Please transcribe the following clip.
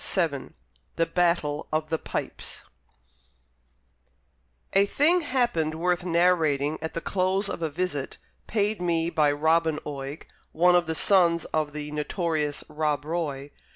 Amiel THE BATTLE OF THE PIPES A thing happened worth narrating at the close of a visit paid me by Robin Oig, one of the sons of the notorious Rob Roy.